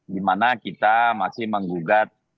dimana kita masih menggugat